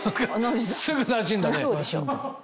すぐなじんだね。